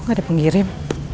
kok ga ada pengirim